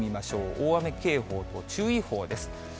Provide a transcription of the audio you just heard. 大雨警報と注意報です。